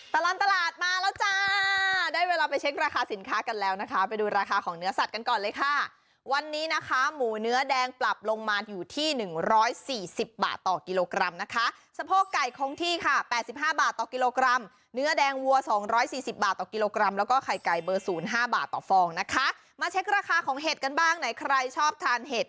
ตลอดตลาดมาแล้วจ้าได้เวลาไปเช็คราคาสินค้ากันแล้วนะคะไปดูราคาของเนื้อสัตว์กันก่อนเลยค่ะวันนี้นะคะหมูเนื้อแดงปรับลงมาอยู่ที่หนึ่งร้อยสี่สิบบาทต่อกิโลกรัมนะคะสะโพกไก่คงที่ค่ะ๘๕บาทต่อกิโลกรัมเนื้อแดงวัวสองร้อยสี่สิบบาทต่อกิโลกรัมแล้วก็ไข่ไก่เบอร์ศูนย์ห้าบาทต่อฟองนะคะมาเช็คราคาของเห็ดกันบ้างไหนใครชอบทานเห็ด